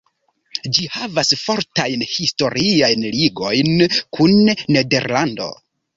Ĝi havas fortajn historiajn ligojn kun Nederlando.